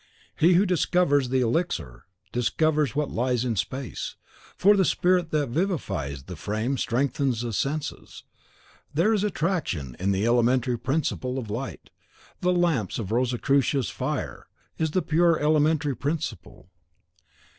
He who discovers the elixir discovers what lies in space; for the spirit that vivifies the frame strengthens the senses. There is attraction in the elementary principle of light. In the lamps of Rosicrucius the fire is the pure elementary principle.